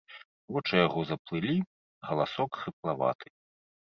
Вочы яго заплылі, галасок хрыплаваты.